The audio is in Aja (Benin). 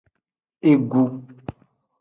Egu.